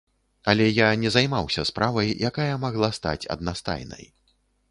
Але я не займаўся справай, якая магла стаць аднастайнай.